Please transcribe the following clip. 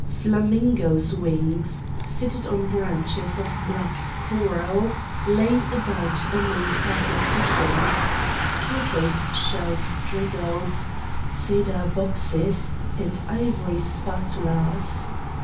Flamingoes' wings, fitted on branches of black coral, lay about among purple cushions, tortoiseshell strigils, cedar boxes, and ivory spatulas.